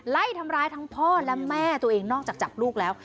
ไล่ทำร้ายทั้งพ่อและแม่ตัวเองนอกจากจับลูกแล้ว